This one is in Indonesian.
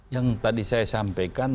yang tadi saya sampaikan